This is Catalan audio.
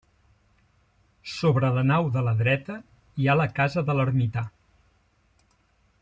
Sobre la nau de la dreta hi ha la casa de l'ermità.